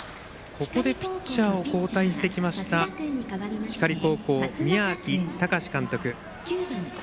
ここでピッチャーを交代してきた光高校宮秋孝史監督。